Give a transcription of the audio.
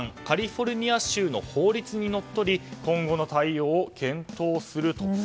カリフォルニア州の法律にのっとり今後の対応を検討すると。